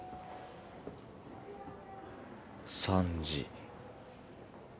３時。